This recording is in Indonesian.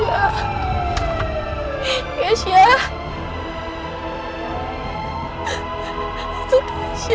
makasih satu adzim